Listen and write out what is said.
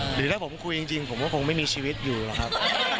หรือถ้าผมคุยจริงผมก็คงไม่มีชีวิตอยู่หรอกครับ